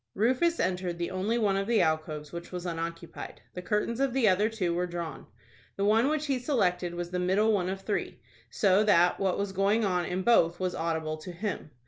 Rufus entered the only one of the alcoves which was unoccupied. The curtains of the other two were drawn. The one which he selected was the middle one of three, so that what was going on in both was audible to him.